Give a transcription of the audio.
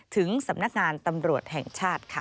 ถึงสำนักงานตำรวจแห่งชาติค่ะ